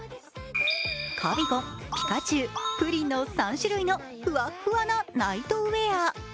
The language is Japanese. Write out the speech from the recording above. カビゴン、ピカチュウ、プリンの３種類のふわっふわなナイトウェア。